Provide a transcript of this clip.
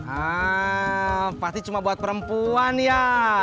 hmm pasti cuma buat perempuan ya